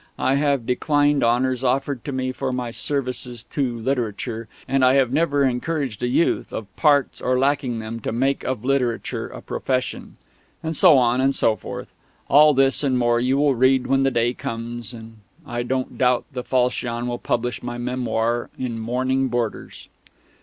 I have declined honours offered to me for my "services to Literature," and I have never encouraged a youth, of parts or lacking them, to make of Literature a profession. And so on and so forth. All this, and more, you will read when the day comes; and I don't doubt the Falchion will publish my memoir in mourning borders...